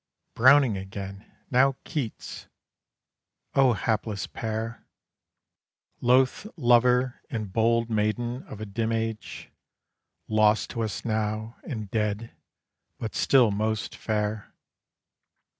(Browning again! now Keats!) O hapless pair, Loth lover and bold maiden of a dim age Lost to us now, and dead, but still most fair.